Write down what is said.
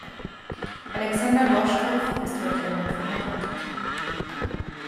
Alexander Gorschkow ist heute erneut verheiratet.